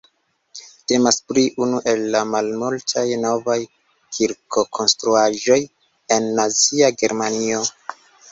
Temas pri unu el la malmultaj novaj kirkkonstruaĵoj en Nazia Germanio.